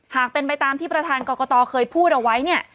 หากเป็นไปตามที่ประธานกรกตเคยพูดเอาไว้เนี่ย